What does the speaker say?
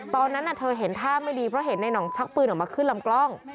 ตอนนั้นเธอเห็นท่าไม่ดีเพราะเห็นในห่องชักปืนออกมาขึ้นลำกล้อง